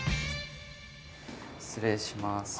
失礼します。